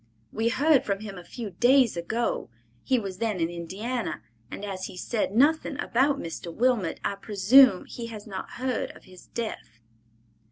We heard from him a few days ago. He was then in Indiana, and as he said nothing about Mr. Wilmot, I presume he has not heard of his death."